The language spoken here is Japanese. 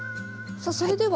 さあそれでは。